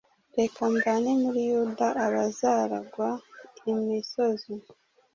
Reka mvane muri Yuda abazaragwa imisozi